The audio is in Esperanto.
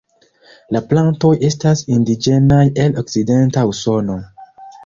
La plantoj estas indiĝenaj el Okcidenta Usono.